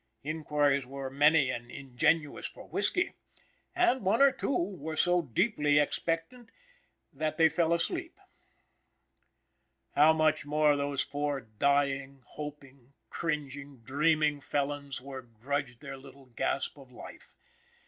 Inquires were many and ingenuous for whisky, and one or two were so deeply expectant that they fell asleep. How much those four dying, hoping, cringing, dreaming felons were grudged their little gasp of life!